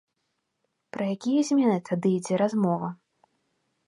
Пра якія змены тады ідзе размова?